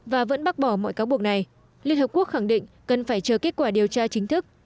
và vẫn bác bỏ mọi cáo buộc này liên hợp quốc khẳng định cần phải chờ kết quả điều tra chính thức